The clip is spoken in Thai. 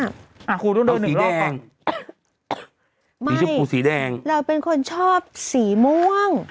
โขดูดนเดินหนึ่งรอก่อนสีชมพูสีแดงเราเป็นคนชอบสีม่วง